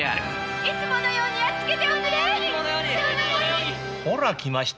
いつものようにやっつけて！